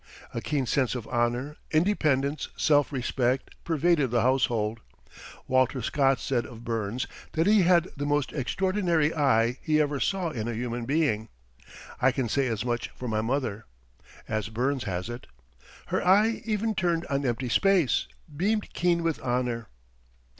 A keen sense of honor, independence, self respect, pervaded the household. Walter Scott said of Burns that he had the most extraordinary eye he ever saw in a human being. I can say as much for my mother. As Burns has it: "Her eye even turned on empty space, Beamed keen with honor."